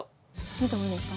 見てもいいですか？